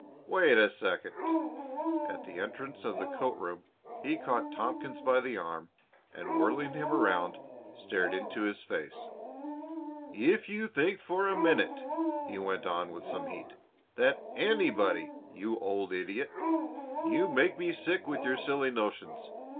Wait a second." At the entrance of the coat room he caught Tompkins by the arm, and, whirling him around, stared into his face. "If you think for a minute," he went on with some heat, "that anybody You old idiot! You make me sick with your silly notions.